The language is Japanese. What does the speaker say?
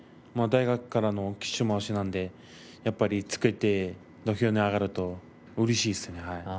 大学からの化粧まわしなのでやっぱりつけて土俵に上がるとうれしいですね。